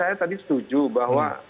jadi saya tadi setuju bahwa